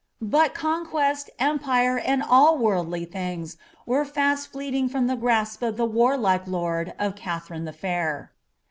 But conquest, empire, and all worldly things, were fast fleeting IVont ilic gmsp of ihe warlike lord of Katherine the Fair.